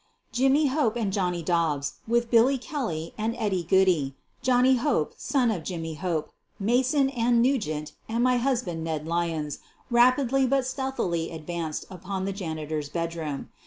Jimmy Hope and Johnny Dobbs, with Billy Kel ly and Eddie Goodey, Johnny Hope, son of Jimmy Hope, Mason, and Nugent, and my husband, Ned Lyons, rapidly but stealthily advanced upon the janitor's bedroom.